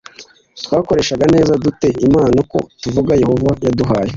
twakoresha neza dute impano yo kuvuga yehova yaduhaye